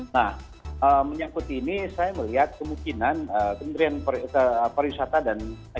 nah menyangkut ini saya melihat kemungkinan kementerian pariwisata dan ekonomi